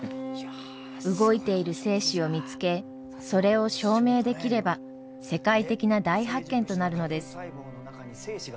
動いている精子を見つけそれを証明できれば世界的な大発見となるのです。